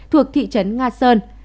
thuộc thị trấn nga sơn